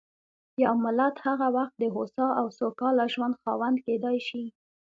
یو ملت هغه وخت د هوسا او سوکاله ژوند خاوند کېدای شي.